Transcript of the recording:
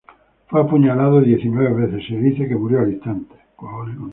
Fue apuñalado diecinueve veces y se dice que murió al instante.